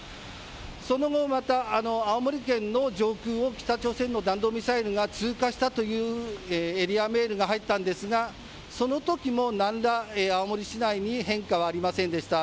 その後、また青森県の上空を北朝鮮の弾道ミサイルが通過したというエリアメールが入ったんですがそのときも何ら青森市内に変化はありませんでした。